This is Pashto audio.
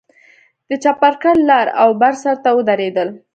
د چپرکټ لر او بر سر ته ودرېدل.